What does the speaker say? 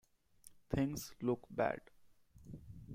Things look bad.